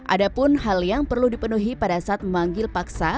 ada pun hal yang perlu dipenuhi pada saat memanggil paksa